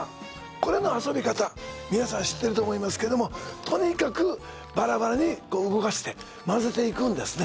これの遊び方皆さん知ってると思いますけどもとにかくバラバラに動かして混ぜていくんですね